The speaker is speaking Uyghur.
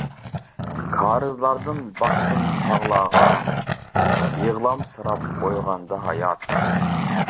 كارىزلاردىن باقتىم تاغلارغا، يىغلامسىراپ ئويغاندى ھايات.